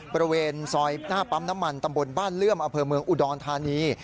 บริเวณซอยหน้าปั๊มน้ำมันตำบลบ้านเลื่อมอำเภอเมืองอุดรธานี